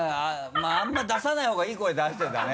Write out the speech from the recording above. まぁあんまり出さない方がいい声出してたね。